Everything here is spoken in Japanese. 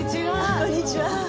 こんにちは。